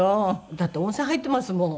だって温泉入っていますもん。